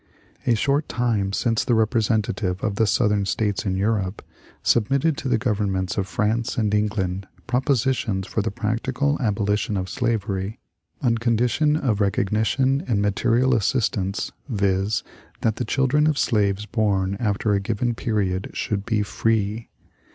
A short time since the representative of the Southern States in Europe submitted to the governments of France and Eng land propositions for the practical abolition of slavery, on condition of recognition and material assistance, viz. : that the children of slaves born after a given period should be free.